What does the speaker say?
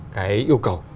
cái yêu cầu